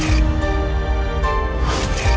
iya pak ada kelarin